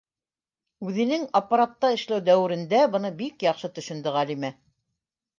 Үҙенең аппаратта эшләү дәүерендә быны бик яҡшы төшөндө Ғәлимә!